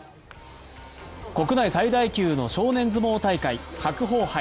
国内最大級の少年相撲大会、白鵬杯。